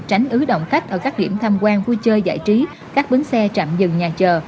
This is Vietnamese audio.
tránh ứ động khách ở các điểm tham quan vui chơi giải trí các bến xe trạm dừng nhà chờ